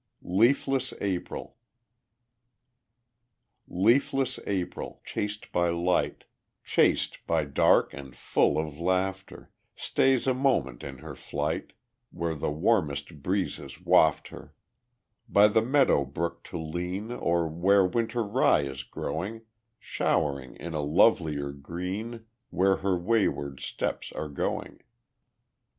Leafless April Leafless April chased by light, Chased by dark and full of laughter, Stays a moment in her flight Where the warmest breezes waft her, By the meadow brook to lean, Or where winter rye is growing, Showing in a lovelier green Where her wayward steps are going.